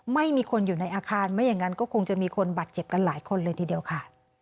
ไม่มีคนอยู่ในอาคารไม่อย่างนั้นก็คงจะมีคนบาดเจ็บกันหลายคนเลยทีเดียวค่ะ